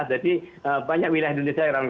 jadi banyak wilayah indonesia yang rarang